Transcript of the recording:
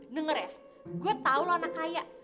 dengar ya gue tau lo anak kaya